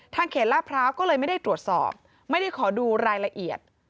เขตลาดพร้าวก็เลยไม่ได้ตรวจสอบไม่ได้ขอดูรายละเอียด